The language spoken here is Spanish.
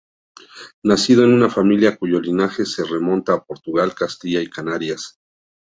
Nacido en una familia cuyo linaje se remonta a Portugal, Castilla y Canarias.